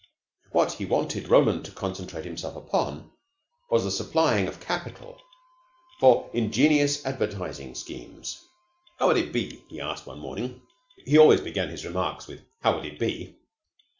What he wanted Roland to concentrate himself upon was the supplying of capital for ingenious advertising schemes. "How would it be," he asked one morning he always began his remarks with, "How would it be?"